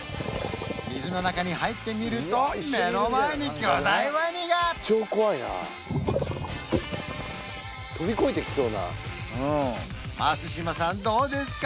水の中に入ってみると目の前に巨大ワニが飛び越えてきそうなうん松島さんどうですか？